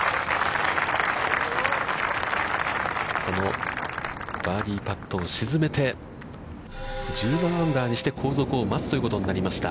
このバーディーパットを沈めて、１７アンダーにして後続を待つということになりました。